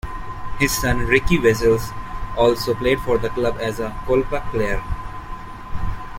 His son, Riki Wessels, also played for the club as a Kolpak player.